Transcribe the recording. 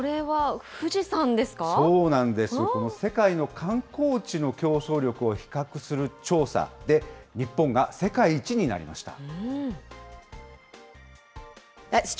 この世界の観光地の競争力を比較する調査で、日本が世界一になりました。